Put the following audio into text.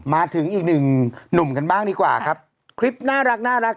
มาถึงอีกหนึ่งหนุ่มกันบ้างดีกว่าครับคลิปน่ารัก